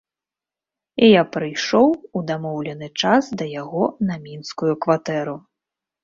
І я прыйшоў у дамоўлены час да яго на мінскую кватэру.